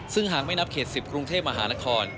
ซึ่งหากไม่นับเขต๑๐กรุงเทพมหานคร